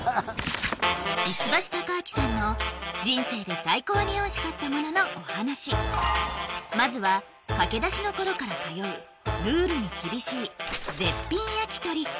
石橋貴明さんの人生で最高においしかったもののお話まずは駆け出しの頃から通うへえ！